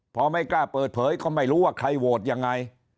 พอไม่กล้าเปิดเผยก็ไม่รู้ว่าใครโหวตยังไง